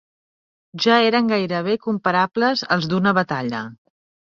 Ja eren gairebé comparables als d'una batalla